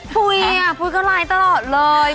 พูดอ่ะพูดก็ไลน์ตลอดเลย